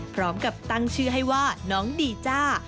พร้อมกับตั้งชื่อให้ว่าน้องดีจ้า